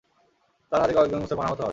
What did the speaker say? তার হাতে কয়েকজন মুসলমান আহত হয়।